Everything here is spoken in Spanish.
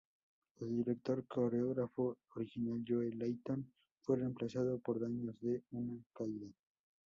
Ya que los guardias no conocen sus caras, esto pasa desapercibido para el oficial.